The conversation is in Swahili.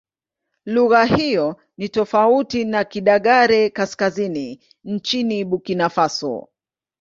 Lugha hiyo ni tofauti na Kidagaare-Kaskazini nchini Burkina Faso.